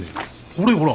これよほら。